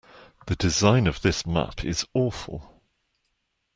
The design of this map is awful.